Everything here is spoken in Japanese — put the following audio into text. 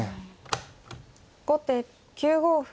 後手９五歩。